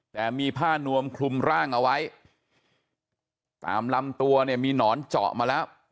แต่มีผ้านวมคลุมร่างเอาไว้ตามลำตัวเนี่ยมีหนอนเจาะมาแล้ว